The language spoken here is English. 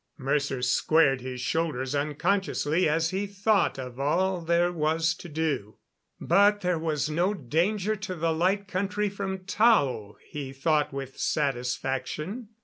Mercer squared his shoulders unconsciously as he thought of all there was to do. But there was no danger to the Light Country from Tao, he thought with satisfaction.